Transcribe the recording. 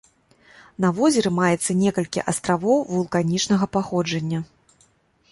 На возеры маецца некалькі астравоў вулканічнага паходжання.